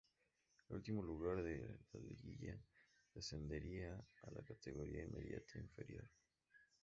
El último lugar de la liguilla descendería a la categoría inmediata inferior.